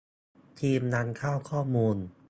ทีมนำเข้าข้อมูล